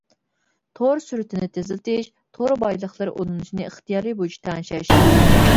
تور سۈرئىتىنى تېزلىتىش، تور بايلىقلىرى ئۇلىنىشىنى ئىختىيارى بويىچە تەڭشەش!